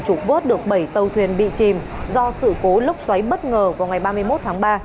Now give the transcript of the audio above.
trục vớt được bảy tàu thuyền bị chìm do sự cố lốc xoáy bất ngờ vào ngày ba mươi một tháng ba